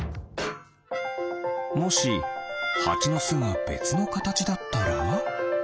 もしハチのすがべつのカタチだったら？